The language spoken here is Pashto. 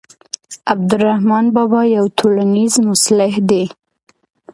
عبدالرحمان بابا یو ټولنیز مصلح دی.